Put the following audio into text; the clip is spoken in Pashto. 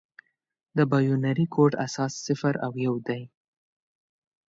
د بایونري کوډ اساس صفر او یو دی.